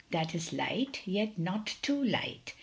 "That is light, yet not too light.